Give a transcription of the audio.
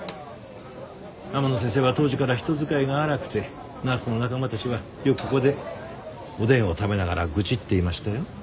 天乃先生は当時から人使いが荒くてナースの仲間たちはよくここでおでんを食べながら愚痴っていましたよ。